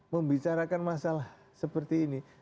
membicarakan masalah seperti ini